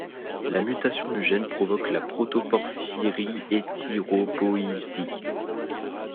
La mutation du gène provoque la protoporphyrie érythropoïétique.